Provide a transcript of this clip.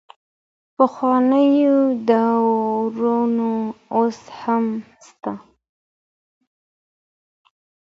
پخواني دودونه اوس هم سته.